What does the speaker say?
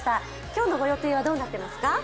今日のご予定はどうなってますか？